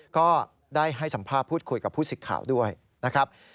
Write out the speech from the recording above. ก็ได้ให้สัมภาษณ์พูดคุยกับผู้สิทธิ์ข่าวด้วยนะครับ